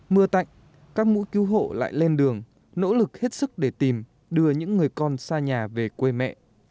mưa tạnh các mũ cứu hộ lại lên đường nỗ lực hết sức để tìm đưa những người con xa nhà về quê mẹ